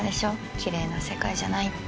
きれいな世界じゃないって。